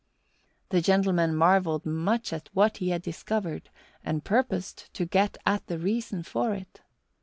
The gentleman marvelled much at what he had discovered and purposed to get at the reason for it.